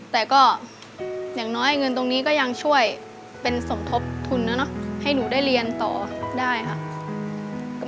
แต่ก็อย่างน้อยเงินตรงนี้ก็ยังช่วยเป็นสมทบทุนนะเนอะให้หนูได้เรียนต่อได้ค่ะ